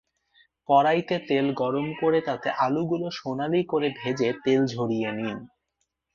কড়াইতে তেল গরম করে তাতে আলুগুলো সোনালি করে ভেজে তেল ঝরিয়ে নিন।